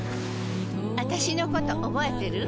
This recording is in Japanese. あたしのこと覚えてる？